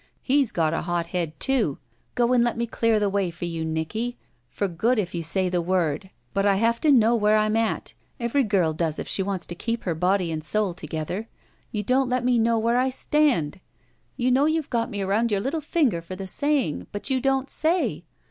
He's got a hot head, too. Go, and let me clear the way for you, Nicky. For good if you say the word. But I have to know where I'm at. Every girl does if she wants to keep her body and soul together. You don't let me know where I stand. You know you've got me arotmd yotu* little finger for the saying, but you don't say.